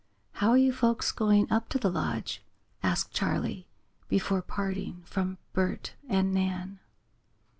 "How are you folks going up to the lodge?" asked Charley, before parting from Bert and Nan.